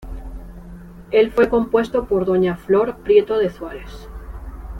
El fue compuesto por doña Flor Prieto de Suárez.